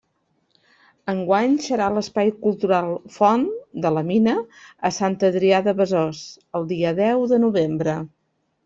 Enguany serà a l'Espai Cultural Font de La Mina a Sant Adrià de Besòs, el dia deu de novembre.